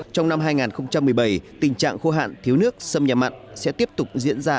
trong năm hai nghìn một mươi bảy tình trạng khô hạn thiếu nước xâm nhập mặn sẽ tiếp tục diễn ra